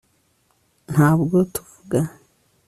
Ntabwo tuvuga